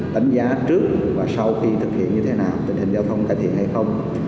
đánh giá trước và sau khi thực hiện như thế nào tình hình giao thông cải thiện hay không